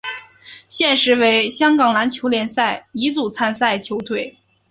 现时为香港篮球联赛乙组参赛球队。